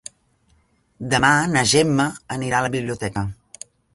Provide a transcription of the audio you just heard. Demà na Gemma anirà a la biblioteca.